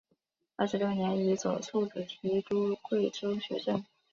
二十六年以左庶子提督贵州学政。